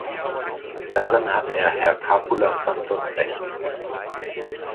Darin hat er Herr Capoulas Santos Recht.